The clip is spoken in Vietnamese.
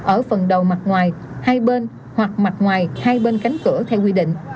ở phần đầu mặt ngoài hai bên hoặc mặt ngoài hai bên cánh cửa theo quy định